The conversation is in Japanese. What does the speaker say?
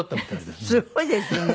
すごいですよね。